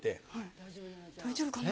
大丈夫かな？